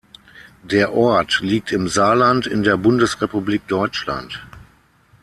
Der Ort liegt im Saarland in der Bundesrepublik Deutschland.